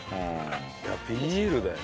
いやビールだよ。